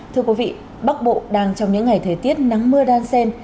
thưa quý vị bắc bộ đang trong những ngày thời tiết nắng mưa đan xen